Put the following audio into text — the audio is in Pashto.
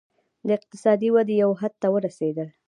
د اقتصادي ودې یو حد ته ورسېدل.